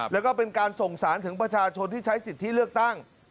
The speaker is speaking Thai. แล้วก็เป็นการส่งสารถึงประชาชนที่ใช้สิทธิเลือกตั้ง